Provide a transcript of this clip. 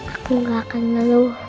aku nggak akan leluh